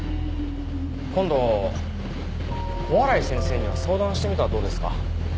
今度小洗先生には相談してみたらどうですか？